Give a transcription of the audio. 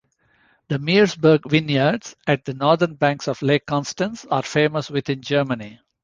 The Meersburg vineyards at the northern banks of Lake Constance are famous within Germany.